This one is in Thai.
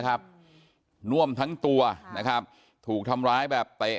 น่วมทั้งตัวนะครับถูกทำร้ายแบบเตะ